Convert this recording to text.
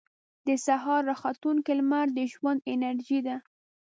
• د سهار راختونکې لمر د ژوند انرژي ده.